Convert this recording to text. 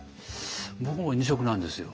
僕も２食なんですよ。